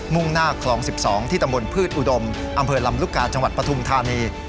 ่งหน้าคลอง๑๒ที่ตำบลพืชอุดมอำเภอลำลูกกาจังหวัดปฐุมธานี